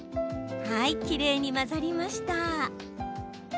きれいに混ざりました。